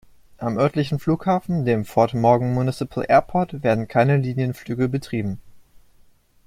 Am örtlichen Flughafen, dem "Fort Morgan Municipal Airport", werden keine Linienflüge betrieben.